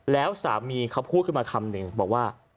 แล้วสามีเขาพูดขึ้นมาคำหนึ่งบอกว่า